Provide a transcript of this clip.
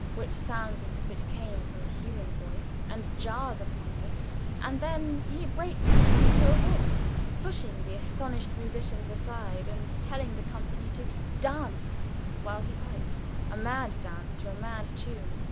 which sounds as if it came from a human voice, and jars upon me, and then he breaks into a waltz, pushing the astonished musicians aside, and telling the company to dance while he pipes. A mad dance to a mad tune.